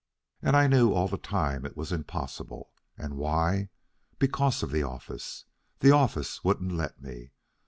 And I knew all the time it was impossible. And why? Because of the office. The office wouldn't let me.